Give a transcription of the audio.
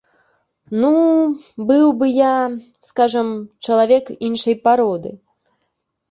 Ну, быў бы я, скажам, чалавек іншай пароды.